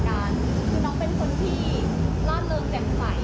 ถ้าเป็นลักษณะนิสัย